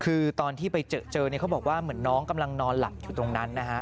คือตอนที่ไปเจอเนี่ยเขาบอกว่าเหมือนน้องกำลังนอนหลับอยู่ตรงนั้นนะฮะ